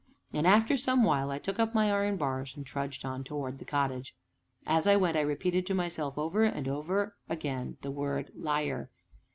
And, after some while, I took up my iron bars, and trudged on towards the cottage. As I went, I repeated to myself, over and over again, the word "Liar."